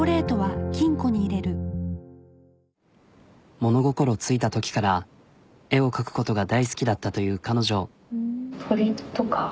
物心付いたときから絵を描くことが大好きだったという彼女。